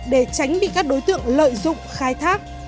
để tránh bị các đối tượng lợi dụng khai thác